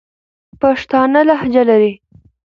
پښتانه لهجه لري.